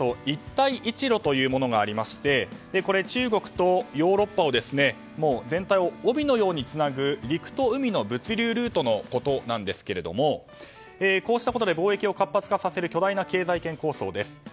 一帯一路というものがありまして中国とヨーロッパを全体を帯のようにつなぐ陸と海の物流ルートのことなんですがこうしたことで貿易を活発化させる巨大な経済圏構想です。